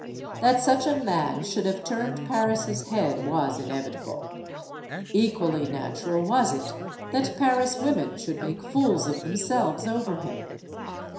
That such a man should have turned Paris* head was inevitable. Equally natural was it that Paris 126 STORIES OF THE SUPER WOMEN women should make fools of themselves over him.